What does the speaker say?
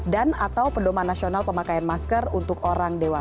dan atau pendoma nasional pemakaian masker untuk orang